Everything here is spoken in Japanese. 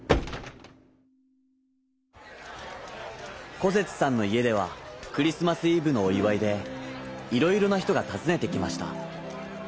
コゼツさんのいえではクリスマスイブのおいわいでいろいろなひとがたずねてきました。